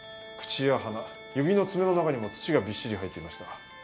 口や鼻指の爪の中にも土がびっしり入っていました。